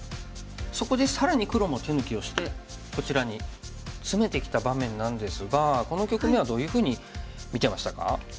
そこで更に黒も手抜きをしてこちらにツメてきた場面なんですがこの局面はどういうふうに見てましたか？